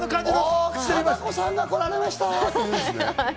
貞子さんが来られました！